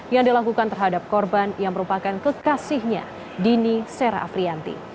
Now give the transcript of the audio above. yang dilakukan terhadap korban yang merupakan kekasihnya dini serafrianti